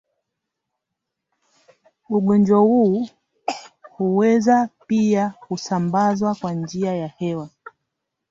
Ugonjwa huu huweza pia kusambazwa kwa njia ya hewa